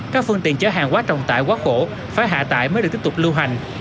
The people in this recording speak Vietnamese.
các phương tiện chở hàng quá trọng tải quá khổ phải hạ tải mới được tiếp tục lưu hành